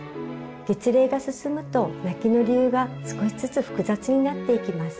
月齢が進むと泣きの理由が少しずつ複雑になっていきます。